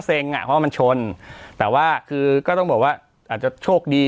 เพราะว่ามันชนแต่ว่าคือก็ต้องบอกว่าอาจจะโชคดี